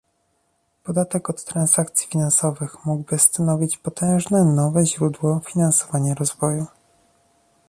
Podatek od transakcji finansowych mógłby stanowić potężne nowe źródło finansowania rozwoju